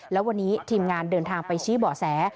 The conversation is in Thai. แล้ววันนี้ทีมงานเดินทางไปชี้เบาะแส